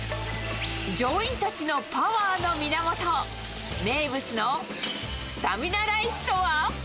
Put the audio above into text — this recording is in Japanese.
乗員たちのパワーの源、名物のスタミナライスとは。